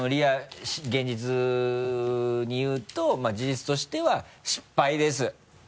現実に言うと事実としては失敗です。